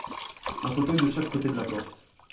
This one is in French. Un fauteuil de chaque côté de la porte.